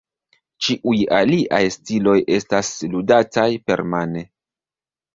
Ĉiuj aliaj stiloj estas ludataj permane.